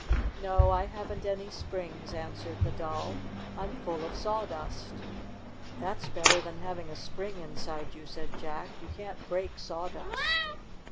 "No, I haven't any springs," answered the Doll. "I'm full of sawdust. '' "That's better than having a spring in side you," said Jack. "You can't break sawdust."